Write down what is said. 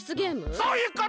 そういうこと！